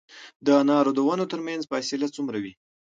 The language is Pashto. د انارو د ونو ترمنځ فاصله څومره وي؟